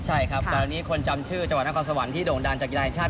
ใช่ครับแต่วันนี้คนจำชื่อจังหวัดนครสวรรค์ที่โด่งดังจากกีฬาแห่งชาติ